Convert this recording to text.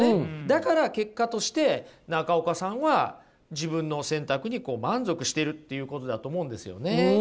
だから結果として中岡さんは自分の選択にこう満足しているっていうことだと思うんですよね。